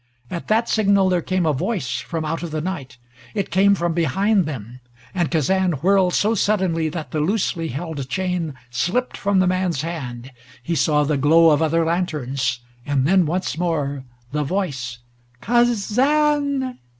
At that signal there came a voice from out of the night. It came from behind them, and Kazan whirled so suddenly that the loosely held chain slipped from the man's hand. He saw the glow of other lanterns. And then, once more, the voice "Kaa aa zan!"